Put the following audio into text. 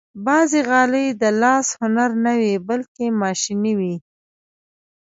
بعضې غالۍ د لاس هنر نه وي، بلکې ماشيني وي.